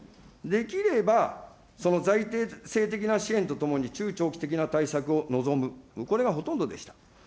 できればその財政的な支援とともに、中長期的な対策を望む、これがほとんどでした。